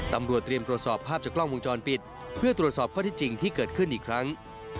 ตำรวจเตรียมตรวจสอบภาพจากกล้องวงจรปิดเพื่อตรวจสอบข้อที่จริงที่เกิดขึ้นอีกครั้ง